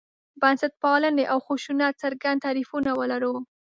بنسټپالنې او خشونت څرګند تعریفونه ولرو.